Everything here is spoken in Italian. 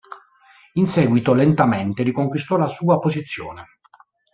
In seguito lentamente riconquistò la sua posizione.